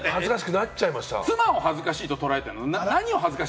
何を恥ずかしいと捉えてるの？